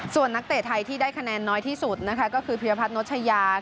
ส่วนนักเตะไทยที่ได้คะแนนน้อยที่สุดนะคะก็คือพิรพัฒนชายา